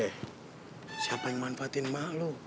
eh siapa yang manfaatin emak lo